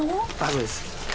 そうです。